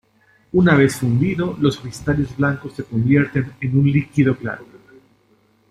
Una vez fundido, los cristales blancos se convierten en un líquido claro.